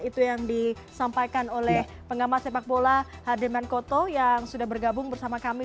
itu yang disampaikan oleh pengamat sepak bola hardiman koto yang sudah bergabung bersama kami